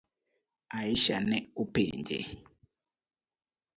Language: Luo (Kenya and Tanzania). Aisha ne openje.